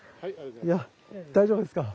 いや大丈夫ですか？